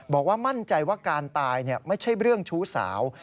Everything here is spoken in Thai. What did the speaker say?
บอกว่ามั่นใจว่าการตายไม่ใช่เรื่องชู้สาว